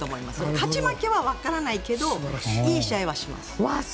勝ち負けはわからないけどいい試合はします。